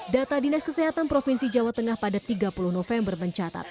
data dinas kesehatan provinsi jawa tengah pada tiga puluh november mencatat